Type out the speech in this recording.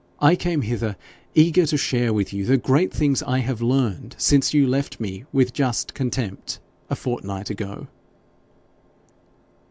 I came hither eager to share with you the great things I have learned since you left me with just contempt a fortnight ago.'